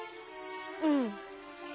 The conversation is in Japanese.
うん。